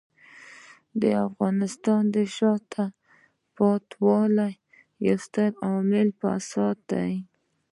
د افغانستان د شاته پاتې والي یو ستر عامل فساد دی.